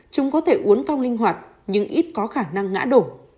chúng có thể uốn phong linh hoạt nhưng ít có khả năng ngã đổ